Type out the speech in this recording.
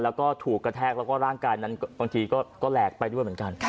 แล้วก็ถูกกระแทกแล้วก็ร่างกายนั้นบางทีก็แหลกไปด้วยเหมือนกัน